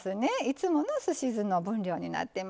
いつものすし酢の分量になってます。